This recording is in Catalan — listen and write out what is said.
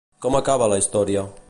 Com acaba la història?